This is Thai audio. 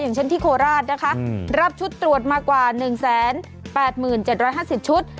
อย่างเช่นที่โคราชนะคะรับชุดตรวจมากว่า๑๘๗๕๐ชุด